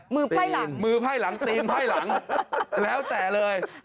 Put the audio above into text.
มือไพ่หลังตีนไพ่หลังแล้วแต่เลย